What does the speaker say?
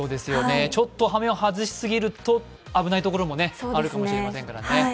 ちょっとはめを外しすぎると危ないところもあるかもしれないですよね。